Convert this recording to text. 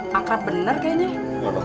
wah bader banget nih anak lo